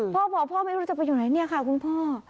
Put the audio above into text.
พ่อบอกพ่อไม่รู้จะไปอยู่ไหนเนี่ยค่ะคุณพ่อ